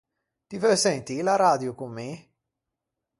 Ti veu sentî l’aradio con mi?